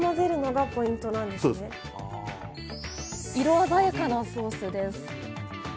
色鮮やかなソースです。